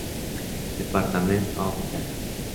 Departament of Health.